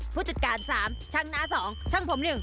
ผู้จัดการ๓ช่างน้า๒ช่างผม๑